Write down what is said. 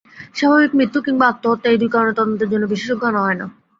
স্বাভাবিক মৃত্যু কিংবা আত্মহত্যা-এই দু কারণে তদন্তের জন্যে বিশেষজ্ঞ আনা হয় না।